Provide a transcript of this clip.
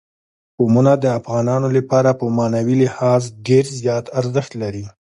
قومونه د افغانانو لپاره په معنوي لحاظ ډېر زیات ارزښت لري.